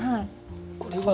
これは。